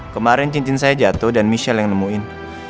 kemarin cincin saya jatuh dan michelle yang nemuin